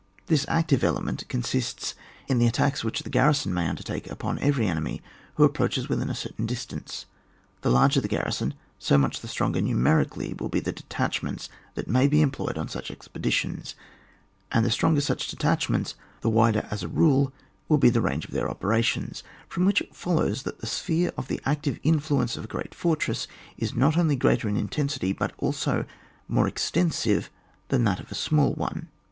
This active element consists in the attacks which the garrison may under take upon every enemy who approaches within a certain distance. The larger the garrison, so much the stronger numerically will be the detcLchments that may be employed on such expeditions, and the stronger such detachments the wider as a rule will be the range of their operations; from which it follows that the sphere of the active influence of a great fortress is not only greater in in tensity but also more extensive than that of a small one.